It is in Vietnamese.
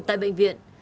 tại bệnh viện